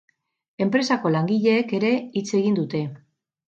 Enpresako langileek ere hitz egin dute.